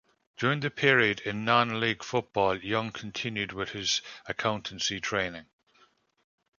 During the period in non-league football Young continued with his accountancy training.